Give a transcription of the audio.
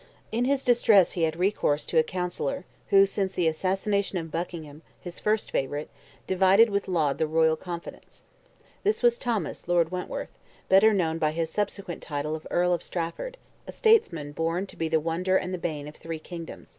In his distress he had recourse to a councillor, who, since the assassination of Buckingham, his first favourite, divided with Laud the royal confidence. This was Thomas, Lord Wentworth, better known by his subsequent title of Earl of Strafford, a statesman born to be the wonder and the bane of three kingdoms.